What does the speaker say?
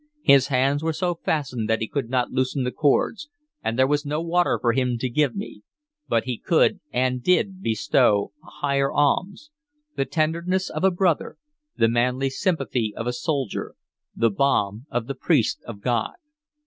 His hands were so fastened that he could not loosen the cords, and there was no water for him to give me; but he could and did bestow a higher alms, the tenderness of a brother, the manly sympathy of a soldier, the balm of the priest of God.